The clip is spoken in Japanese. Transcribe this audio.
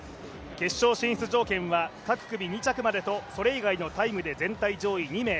決勝進出条件は各組２着までとそれ以外のタイムで全体上位２名。